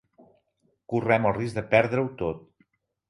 Correm el risc de perdre-ho tot.